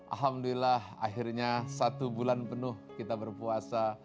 alhamdulillah akhirnya satu bulan penuh kita berpuasa